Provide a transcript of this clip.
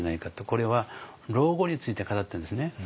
これは老後について語ってるんですね。